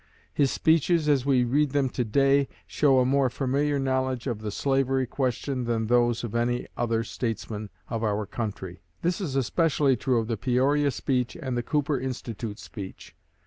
His speeches, as we read them to day, show a more familiar knowledge of the slavery question than those of any other statesman of our country. This is especially true of the Peoria speech and the Cooper Institute speech.